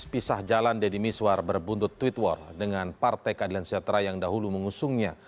pisah jalan deddy miswar berbuntut tweet war dengan partai keadilan sejahtera yang dahulu mengusungnya